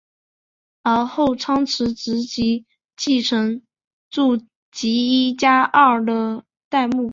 而后仓持直吉继承住吉一家二代目。